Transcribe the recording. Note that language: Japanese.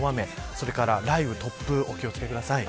それから雷雨、突風にお気を付けください。